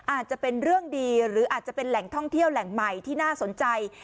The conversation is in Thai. อาจจะเป็นเรื่องดีหรืออาจจะเป็นแหล่งท่องเที่ยวแหล่งใหม่ที่น่าสนใจ